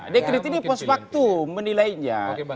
dekret ini pos waktu menilainya